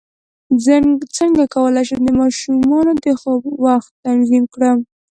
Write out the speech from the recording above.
څنګه کولی شم د ماشومانو د خوب وخت تنظیم کړم